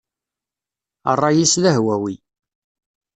Ṛṛay-is d ahwawi.